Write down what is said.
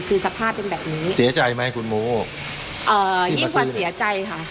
คือสภาพเป็นแบบนี้เสียใจไหมคุณโมเอ่อยิ่งกว่าเสียใจค่ะ